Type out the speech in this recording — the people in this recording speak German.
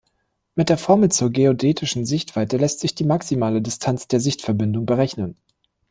Mit der Formel zur Geodätischen Sichtweite lässt sich die maximale Distanz der Sichtverbindung berechnen.